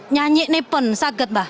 nyanyi ini pun sakit mbak